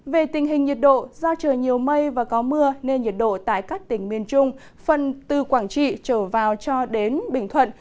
về tình hình nhiệt độ do trời nhiều mây và có mưa nên nhiệt độ tại các tỉnh miền trung phần từ quảng trị trở vào cho đến bình thuận